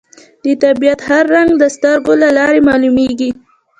د طبیعت هر رنګ د سترګو له لارې معلومېږي